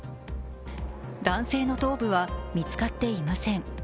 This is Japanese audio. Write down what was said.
男性の頭部は見つかっていません。